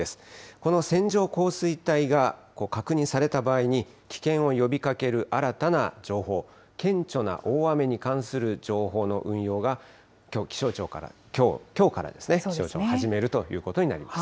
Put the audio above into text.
この線状降水帯が確認された場合に、危険を呼びかける新たな情報、顕著な大雨に関する情報の運用がきょう、気象庁から、きょうから気象庁、始めるということになります。